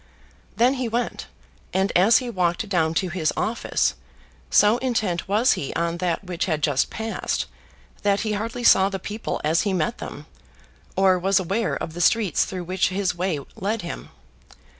Then he went, and as he walked down to his office, so intent was he on that which had just passed that he hardly saw the people as he met them, or was aware of the streets through which his way led him.